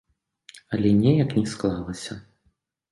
Але неяк не склалася.